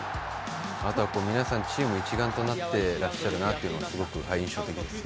あとは皆さん、チーム一丸となっていらっしゃるなというのが印象的ですね。